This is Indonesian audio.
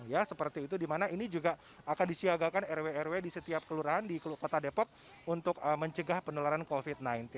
ya seperti itu di mana ini juga akan disiagakan rw rw di setiap kelurahan di kota depok untuk mencegah penularan covid sembilan belas